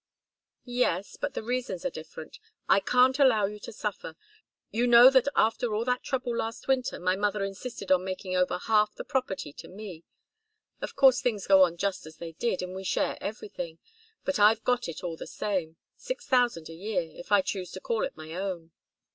"Yes. But the reasons are different. I can't allow you to suffer. You know that after all that trouble last winter my mother insisted on making over half the property to me. Of course things go on just as they did, and we share everything. But I've got it all the same six thousand a year, if I choose to call it my own.